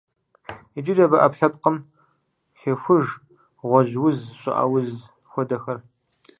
Иджыри абы ӏэпкълъэпкъым хехуж гъуэжь уз, щӏыӏэ уз хуэдэхэр.